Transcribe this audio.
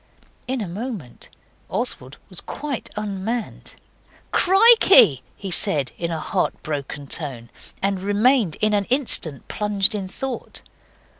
In a moment Oswald was quite unmanned. 'Krikey!' he said, in a heart broken tone, and remained an instant plunged in thought.